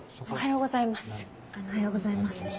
おはようございます。